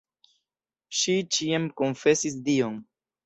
Ŝi ĉiam konfesis dion.